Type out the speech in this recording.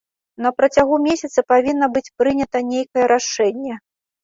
На працягу месяца павінна быць прынята нейкае рашэнне.